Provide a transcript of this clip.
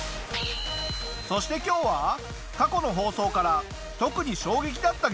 そして今日は過去の放送から特に衝撃だった激